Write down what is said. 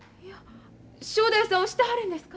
正太夫さんを知ってはるんですか？